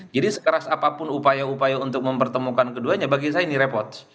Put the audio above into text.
jadi sekeras apapun upaya upaya untuk mempertemukan keduanya bagi saya ini repot